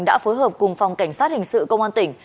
đã phối hợp cùng phòng cảnh sát hình sự công an tỉnh